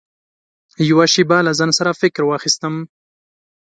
يوه شېبه له ځان سره فکر واخيستم .